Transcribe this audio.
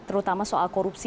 terutama soal korupsi